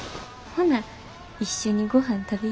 ほな一緒にごはん食べよ。